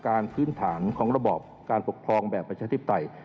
พื้นฐานของระบอบการปกครองแบบประชาธิปไตย